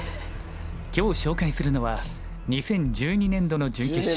今日紹介するのは２０１２年度の準決勝。